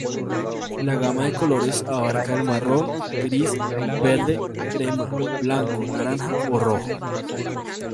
La gama de colores abarca el marrón, gris, verde, crema, blanco, naranja o rojo.